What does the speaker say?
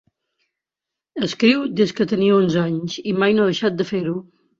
Escriu des que tenia onze anys i mai no ha deixat de fer-ho.